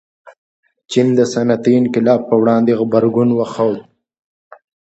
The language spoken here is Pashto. چین د صنعتي انقلاب پر وړاندې غبرګون وښود.